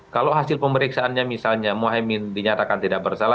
kalau hasil pemeriksaannya misalnya mohaimin dinyatakan tidak bersalah